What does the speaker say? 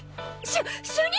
しゅ主任！